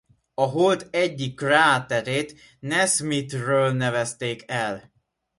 A Hold egyik kráterét Nasmyth-ről nevezték el.